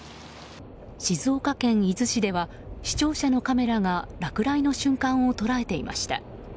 静岡県伊豆市では視聴者のカメラが落雷の瞬間を捉えていました。